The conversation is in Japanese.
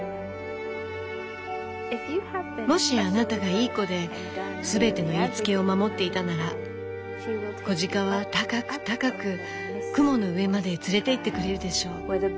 「もしあなたがいい子ですべての言いつけを守っていたなら子鹿は高く高く雲の上まで連れていってくれるでしょう。